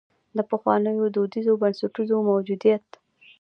د پخوانیو دودیزو بنسټونو موجودیت.